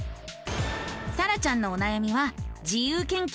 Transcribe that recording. さらちゃんのおなやみはそうです！